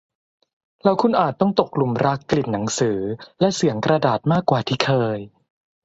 แล้วคุณอาจต้องตกหลุมรักกลิ่นหนังสือและเสียงกระดาษมากกว่าที่เคย